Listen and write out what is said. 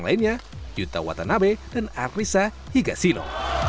yang lainnya yuta watanabe dan arisa higasilo